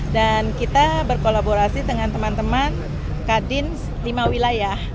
dan kita berkolaborasi dengan teman teman kadin lima wilayah